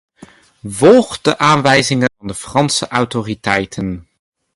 Volg de aanwijzingen van de Franse autoriteiten.